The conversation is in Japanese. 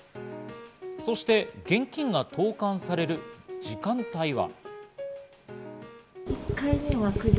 そして現金が投函される時間帯は。